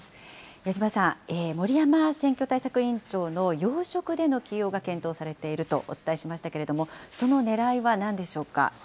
矢島さん、森山選挙対策委員長の要職での起用が検討されているとお伝えしましたけれども、そのねらいはなんでしょうか。